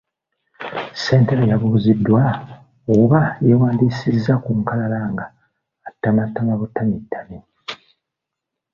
Ssentebe yabuuziddwa oba yeewandiisizza ku nkalala nga atamattama butamittami.